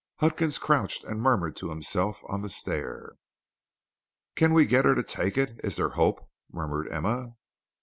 Huckins crouched and murmured to himself on the stair. "Can we get her to take it? Is there hope?" murmured Emma.